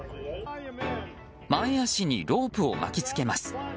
前脚にロープを巻き付けます。